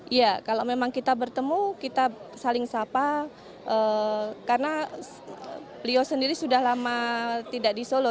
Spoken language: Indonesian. iya kalau memang kita bertemu kita saling sapa karena beliau sendiri sudah lama tidak di solo